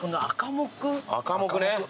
アカモクね。